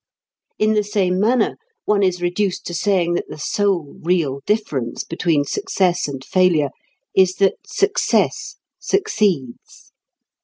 In the same manner one is reduced to saying that the sole real difference between success and failure is that success succeeds.